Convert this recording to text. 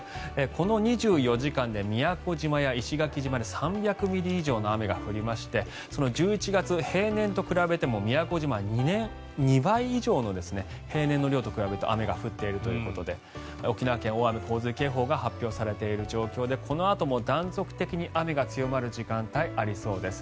この２４時間で宮古島や石垣島で３００ミリ以上の雨が降りましてその１１月平年と比べても宮古島は２倍以上の平年の量と比べると雨が降っているということで沖縄県、大雨・洪水警報が発表されている状況でこのあとも断続的に雨が強まる時間帯がありそうです。